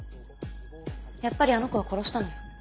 やっぱりあの子が殺したのよ。